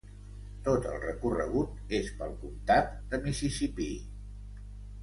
Tot el recorregut es pel comtat de Mississipí.